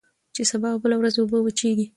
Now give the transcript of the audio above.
چي سبا او بله ورځ اوبه وچیږي